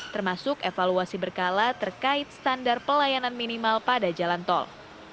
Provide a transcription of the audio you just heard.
termasuk evaluasi berkala terkait standar pelayanan minimal pada jalan tol